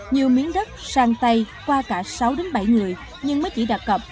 nhiều miếng đất sang tay qua cả sáu bảy người nhưng mới chỉ đặt cọp